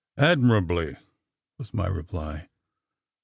"Admirably!" was my reply.